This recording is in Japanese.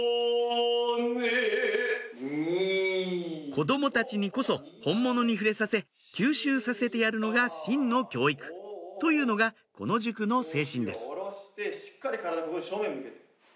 「子どもたちにこそ本物に触れさせ吸収させてやるのが真の教育」というのがこの塾の精神です